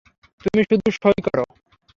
তুমি শুধু সঁই করো।